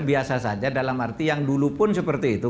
biasa saja dalam arti yang dulu pun seperti itu